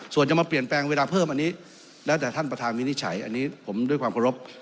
ส่วนจะมาเปลี่ยนแปลงเวลาเพิ่มอันนี้แล้วแต่ท่านประธานวินิจฉัยอันนี้ผมด้วยความเคารพ